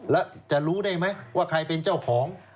แล้วจะรู้ได้ไหมว่าใครเป็นเจ้าของ